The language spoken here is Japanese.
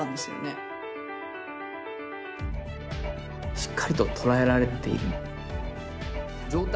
しっかりととらえられている。